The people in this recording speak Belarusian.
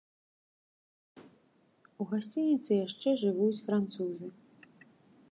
У гасцініцы яшчэ жывуць французы.